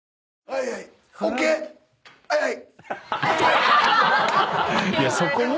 はいはい。